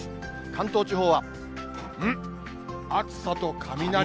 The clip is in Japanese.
関東地方は、んっ、暑さと雷。